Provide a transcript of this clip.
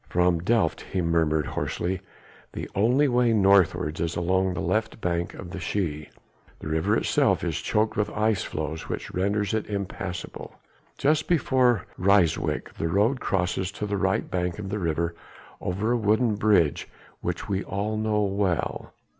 "From Delft," he murmured hoarsely, "the only way northwards is along the left bank of the Schie, the river itself is choked with ice floes which renders it impassable. Just before Ryswyk the road crosses to the right bank of the river over a wooden bridge which we all know well.